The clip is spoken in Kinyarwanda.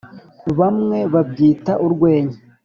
bamwe babyita “urwenya”,